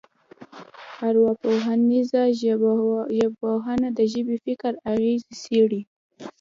ارواپوهنیزه ژبپوهنه د ژبې او فکر اغېزې څېړي